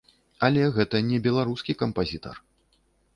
Але гэта не беларускі кампазітар.